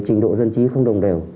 trình độ dân chí không đồng đều